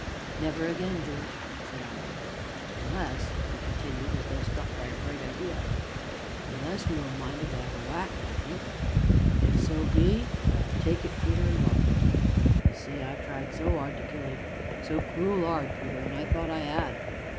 "Never again, George!" said I. "Unless," he continued, as though struck by a bright idea, "unless you 'm minded to 'ave a whack at me; if so be why, tak' it, Peter, an' welcome. Ye see, I tried so 'ard to kill 'ee so cruel 'ard, Peter, an' I thought I 'ad.